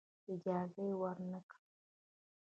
اجازه یې ورنه کړه.